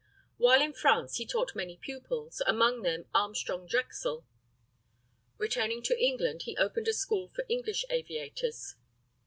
While in France he taught many pupils, among them Armstrong Drexel. Returning to England, he opened a school for English aviators.